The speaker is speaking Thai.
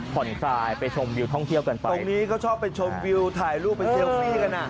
ผ่อนคลายไปชมวิวท่องเที่ยวกันไปตรงนี้ก็ชอบไปชมวิวถ่ายรูปไปเซลฟี่กันอ่ะ